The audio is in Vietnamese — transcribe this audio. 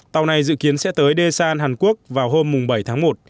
tàu này dự kiến sẽ tới desan hàn quốc vào hôm bảy tháng một